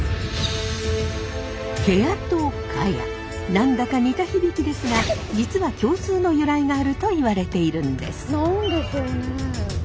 何だか似た響きですが実は共通の由来があるといわれているんです。